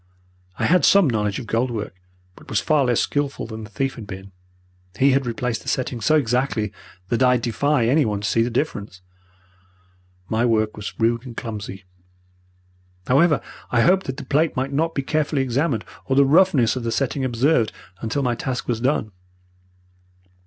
I had some knowledge of gold work, but was far less skilful than the thief had been. He had replaced the setting so exactly that I defy anyone to see the difference. My work was rude and clumsy. However, I hoped that the plate might not be carefully examined, or the roughness of the setting observed, until my task was done.